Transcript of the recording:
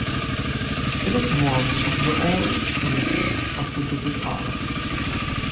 It is one of the oldest breeds of the British Isles.